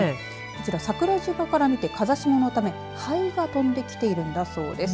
こちら桜島から見て風下のため灰が飛んできているんだそうです。